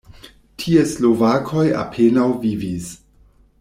Tie slovakoj apenaŭ vivis.